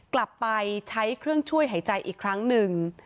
กลับไปใช้เครื่องช่วยหายใจอีกครั้งหนึ่ง